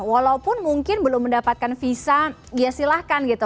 walaupun mungkin belum mendapatkan visa ya silahkan gitu